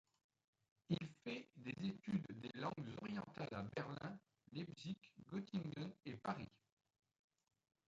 Il fait des études des langues orientales à Berlin, Leipzig, Göttingen et Paris.